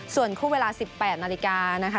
ส่วนคู่เวลา๑๘นาฬิกานะคะ